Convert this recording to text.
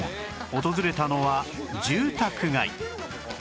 訪れたのは住宅街